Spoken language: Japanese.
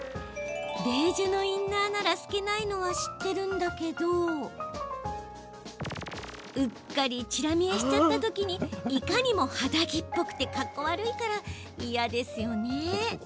ベージュのインナーなら透けないのは知ってるんだけどうっかりちら見えしちゃったときにいかにも肌着っぽくてかっこ悪いから嫌ですよね。